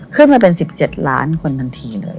ขึ้นมาเป็น๑๗ล้านคนทันทีเลย